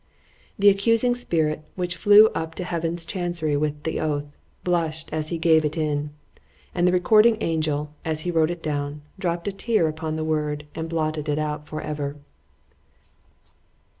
_ —The ACCUSING SPIRIT, which flew up to heaven's chancery with the oath, blush'd as he gave it in;—and the RECORDING ANGEL, as he wrote it down, dropp'd a tear upon the word, and blotted it out for ever.